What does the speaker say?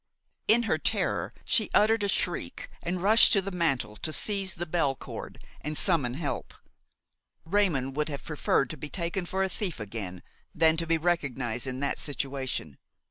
In her terror she uttered a shriek and rushed to the mantel to seize the bell cord and summon help. Raymon would have preferred to be taken for a thief again than to be recognized in that situation.